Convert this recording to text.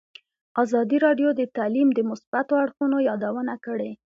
ازادي راډیو د تعلیم د مثبتو اړخونو یادونه کړې.